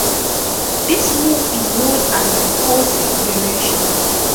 This move is known as the Paulsen Variation.